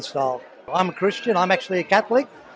saya adalah kristian sebenarnya saya adalah katolik